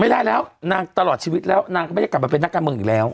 ไม่ได้แล้วนางตลอดชีวิตแล้วนางก็ไม่ได้กลับมาเป็นนักการเมืองอีกแล้ว